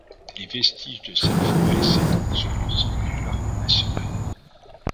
Les vestiges de cette forêt s'étendent sur l'ensemble du parc national.